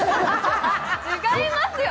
違いますよ！